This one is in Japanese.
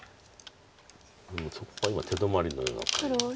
そこが今手止まりのような感じで。